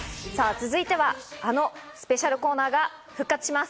続いては、あのスペシャルコーナーが復活します。